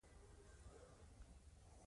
هغه بايد له خپلې وړتيا څخه پوره ګټه واخلي.